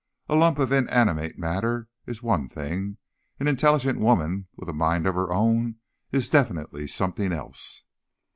A lump of inanimate matter is one thing; an intelligent woman with a mind of her own is definitely something else.